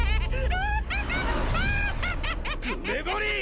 グレゴリー⁉